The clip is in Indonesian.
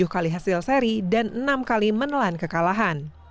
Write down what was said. tujuh kali hasil seri dan enam kali menelan kekalahan